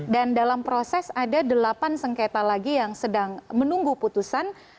dan dalam proses ada delapan sengketa lagi yang sedang menunggu putusan